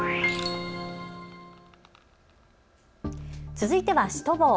続いてはシュトボー。